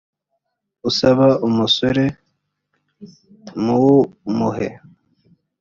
usaba umusoro muwumuhe